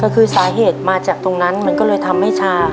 ก็คือสาเหตุมาจากตรงนั้นมันก็เลยทำให้ชา